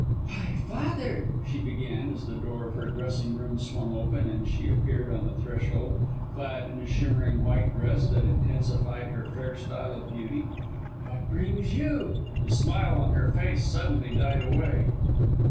"Why, father!" she began, as the door of her dressing room swung open and she appeared on the threshold, clad in a shimmering white dress, that intensified her fair style of beauty, "what brings you " The smile on her face suddenly died away.